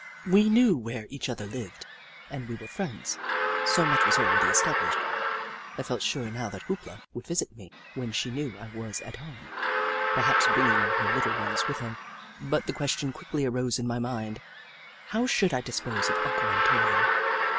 We knew where each other lived, and we were friends — so much was already established. I felt sure now that Hoop La would visit me when she knew I was at home, perhaps bring ing her little ones with her, but the question quickly arose in my mind : how should I dis pose of Uncle Antonio